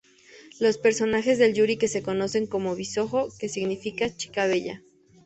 Los personajes del Yuri que se conocen como "bishōjo", que significa 'chica bella'.